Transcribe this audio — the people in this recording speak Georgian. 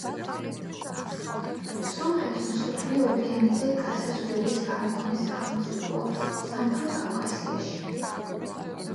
სომხეთი მსოფლიო ოკეანეზე გასასვლელის არმქონე სახელმწიფოა სამხრეთ კავკასიაში.